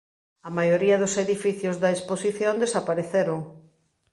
A maioría dos edificios da exposición desapareceron.